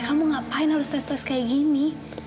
kamu ngapain harus tes tes kayak gini